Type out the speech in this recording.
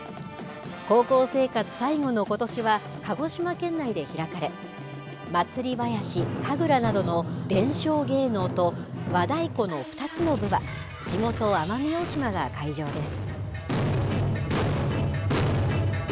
高校生活最後のことしは鹿児島県内で開かれ祭囃子、神楽などの伝承芸能と和太鼓の２つの部は地元・奄美大島が会場です。